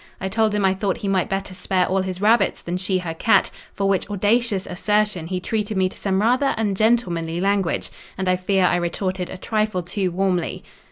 I told him I thought he might better spare all his rabbits than she her cat, for which audacious assertion he treated me to some rather ungentlemanly language; and I fear I retorted a trifle too warmly."